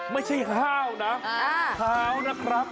ไม่ใช่ฮาวนะฮาวนะครับ